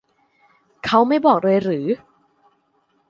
เขาไม่บอกเลยหรือ